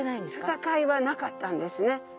戦いはなかったんですね。